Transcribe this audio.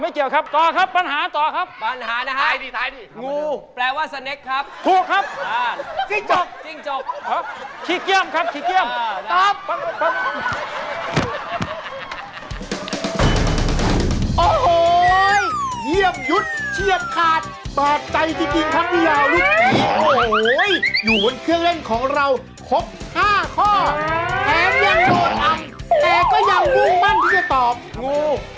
นี่จะตอบงูแปลว่าสเนคครับถูกครับแล้วนกละครับบอบครับจริงจกจริงจกขี้เกรียมครับขี้เกรียมขี้เกรียมด้วยขี้เกรียมขอบอกเลยนะครับว่าพี่เนี่ยตุ๊ดเยอะเหนื่อยมั้ยพี่เหรอเหนื่อยมั้ยพวกเราไปเล่นดูสิครับเพราะว่ามันก็เหนื่อยตุ๊ก